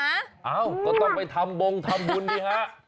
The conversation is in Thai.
เอ้าก็ต้องไปทำบงทำบุญสิฮะ